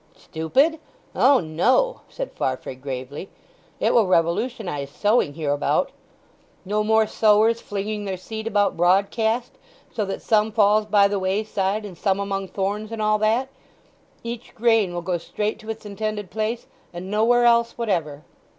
"Stupid? O no!" said Farfrae gravely. "It will revolutionize sowing heerabout! No more sowers flinging their seed about broadcast, so that some falls by the wayside and some among thorns, and all that. Each grain will go straight to its intended place, and nowhere else whatever!"